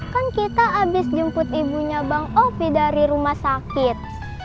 kan kita habis jemput ibunya bang ovi dari rumah sakit